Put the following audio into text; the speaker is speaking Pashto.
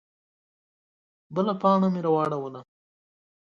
_بله پاڼه مې راواړوله.